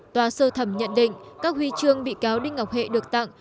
tòa sơ thẩm nhận định các huy chương bị cáo đinh ngọc hệ được tặng